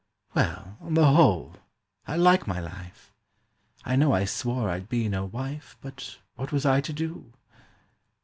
Well, on the whole, I like my life.— I know I swore I'd be no wife, But what was I to do?